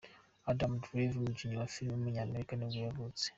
Adam Driver, umukinnyi wa filime w’umunyamerika nibwo yavutse.